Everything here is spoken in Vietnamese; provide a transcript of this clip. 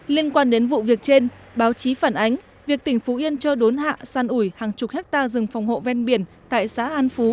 liên quan đến vụ việc trên báo chí phản ánh việc tỉnh phú yên cho đốn hạ san ủi hàng chục hectare rừng phòng hộ ven biển tại xã an phú